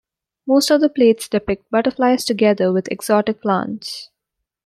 Most of the plates depict butterflies together with exotic plants.